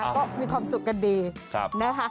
ก็มีความสุขกันดี